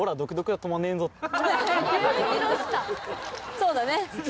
そうだね。